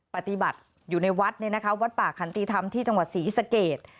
ปฏิบัติอยู่ในวัดวัดป่าขันติธรรมที่จังหวัดศรีสเกต